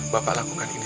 bapak lakukan ini